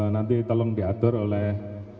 nanti tolong diatur oleh